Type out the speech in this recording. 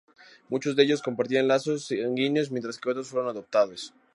Muchos de ellos compartían lazos sanguíneos, mientras que otros fueron adoptados.